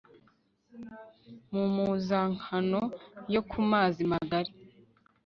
mu mpuzankano yo ku mazi magari